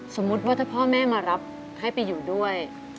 สมมุติว่าถ้าพ่อแม่มารับให้ไปอยู่ด้วย